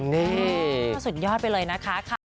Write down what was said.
นี่สุดยอดไปเลยนะคะ